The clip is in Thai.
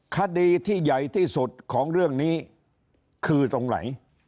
คดีที่ใหญ่ที่สุดของเรื่องนี้คือตรงไหน